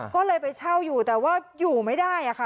ก็เลยไปเช่าอยู่แต่ว่าอยู่ไม่ได้อะค่ะ